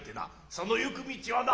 その行く道はな